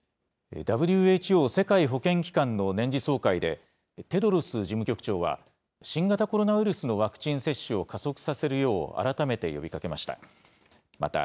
ＷＨＯ・世界保健機関の年次総会で、テドロス事務局長は、新型コロナウイルスのワクチン接種を加速させるよう、改めて呼びかけました。